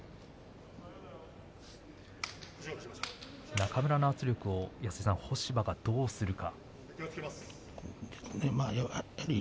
中村の圧力を干場はどうするか。